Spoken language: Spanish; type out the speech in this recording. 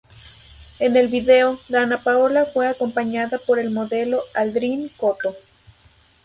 En el video, Danna Paola fue acompañada por el modelo Aldrin Coto.